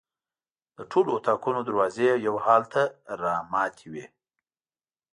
د ټولو اطاقونو دروازې یو حال ته رامتې وې.